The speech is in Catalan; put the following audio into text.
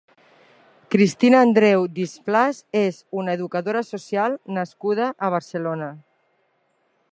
Cristina Andreu Displàs és una educadora social nascuda a Barcelona.